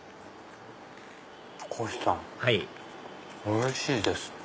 はいおいしいです。